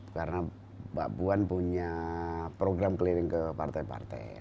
karena mbak puan punya program keliling ke partai partai